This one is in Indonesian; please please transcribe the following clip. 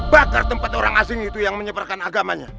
bakar tempat orang asing itu yang menyebarkan agamanya